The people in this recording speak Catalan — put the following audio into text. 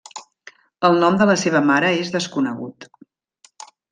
El nom de la seva mare és desconegut.